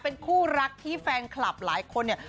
เป็นคู่รักที่แฟนคลับหลายคนเนี่ย